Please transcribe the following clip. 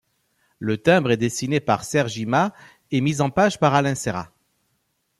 Le timbre est dessiné par Sergi Mas et mis en page par Alain Seyrat.